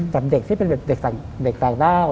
กับเด็กที่เป็นเด็กต่างด้าว